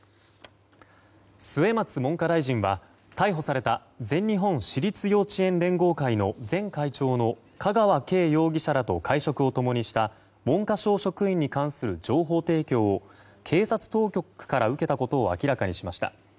末松文科大臣は逮捕された全日本私立幼稚園連合会の前会長の香川敬容疑者らと会食を共にした文科省職員に関する情報提供を警察当局から受けたことを明らかにしました。